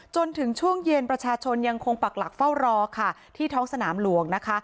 จนถึงช่วงเย็นประชาชนยังคงปักหลักเฝ้ารอค่ะที่ท้องสนามหลวงนะคะ